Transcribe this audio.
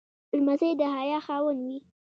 لمسی د حیا خاوند وي.